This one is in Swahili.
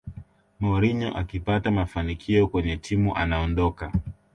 mourinho akipata mafanikio kwenye timu anaondoka